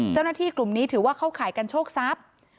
เจ้าหน้าที่กลุ่มนี้ถือว่าเข้าข่ายการโชคทรัพย์